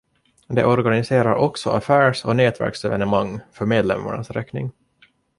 Det organiserar också affärs- och nätverksevenemang för medlemmarnas räkning.